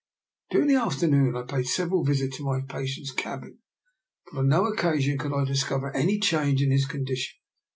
During the afternoon I paid several visits to my patient's cabin; but on no occasion could I discover any change in his condition.